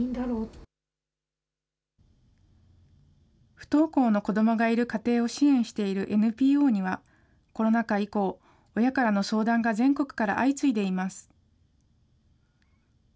不登校の子どもがいる家庭を支援しているＮＰＯには、コロナ禍以降、親からの相談が全国から相次いでいます。